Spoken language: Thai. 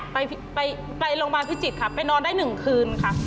ไปไปโรงพยาบาลพิจิตรค่ะไปนอนได้หนึ่งคืนค่ะ